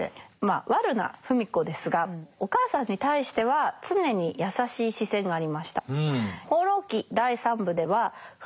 悪な芙美子ですがお母さんに対しては常に優しい視線がありました。